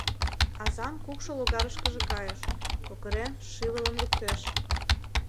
Азан кукшо логарышкыже кайыш, кокырен, шӱвылым луктеш.